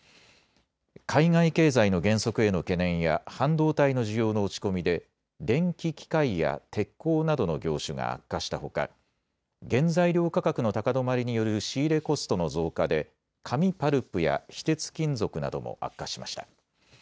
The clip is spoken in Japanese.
海外経済の減速への懸念や半導体の需要の落ち込みで電気機械や鉄鋼などの業種が悪化したほか原材料価格の高止まりによる仕入れコストの増加で紙・パルプや非鉄金属なども悪化しました。